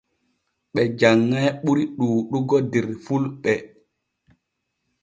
Ɓe janŋay ɓuri ɗuuɗugo der fulɓe.